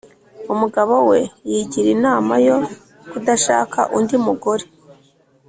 umugabo we yigira inama yo kudashaka undi mugore,